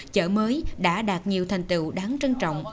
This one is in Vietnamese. chợ mới đã đạt nhiều thành tựu đáng trân trọng